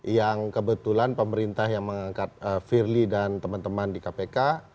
yang kebetulan pemerintah yang mengangkat firly dan teman teman di kpk